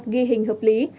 ghi hình hợp lý